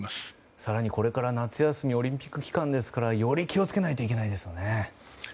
更にこれから夏休みオリンピック期間ですからより気を付けないといけないですね。